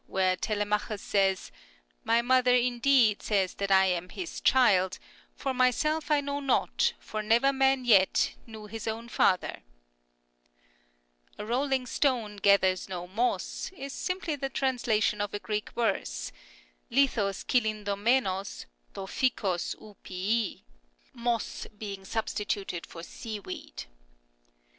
216 7), where Telemachus says " My mother indeed says that I am his (child) ; for myself I know not, for 26o CURIOSITIES OF never man yet knew his own father." " A rolling stone gathers no moss " is simply the translation of a Greek verse, XlOos KvKivSofjtei'og to ^vKOi ov iroiel —" moss " being substituted for " seaweed."